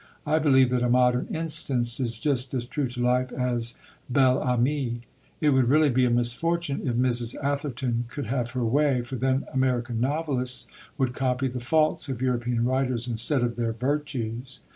I believe that A Modern Instance is just as true to life as Bel Ami. It would really be a misfortune if Mrs. Atherton could have her way; for then American novelists would copy the faults of European writers instead of their virtues.